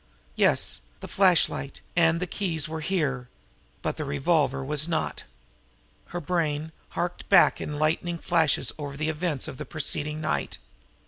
Yes, the flashlight and the keys were here but the revolver was not! Her brain harked back in lightning flashes over the events of the preceding night.